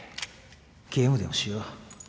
ゲームでもしよう。